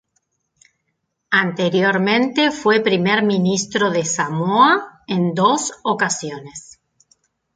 Anteriormente fue Primer Ministro de Samoa en dos ocasiones.